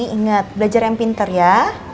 ingat belajar yang pinter ya